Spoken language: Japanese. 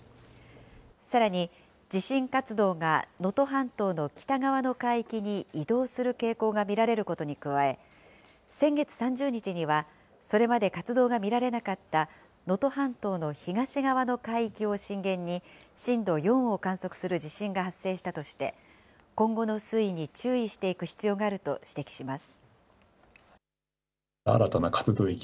さらに、地震活動が能登半島の北側の海域に移動する傾向が見られることに加え、先月３０日には、それまで活動が見られなかった、能登半島の東側の海域を震源に、震度４を観測する地震が発生したとして、今後の推移に注意していく必要があると指摘します。